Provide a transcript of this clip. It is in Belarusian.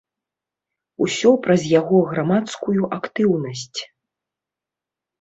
Усё праз яго грамадскую актыўнасць.